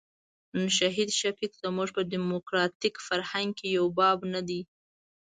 نن شهید شفیق زموږ په ډیموکراتیک فرهنګ کې یو باب نه دی.